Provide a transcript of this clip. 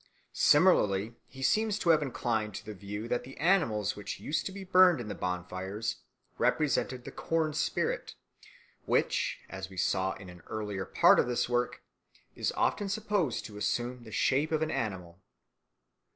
Similarly, he seems to have inclined to the view that the animals which used to be burnt in the bonfires represented the cornspirit, which, as we saw in an earlier part of this work, is often supposed to assume the shape of an animal.